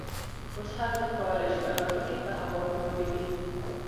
اوس هر څوک کولای شي الوتکې په هوا کې وویني